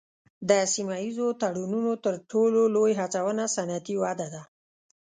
د سیمه ایزو تړونونو تر ټولو لوی هڅونه صنعتي وده ده